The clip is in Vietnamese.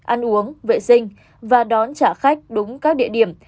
ăn uống vệ sinh và đón trả khách đúng các địa điểm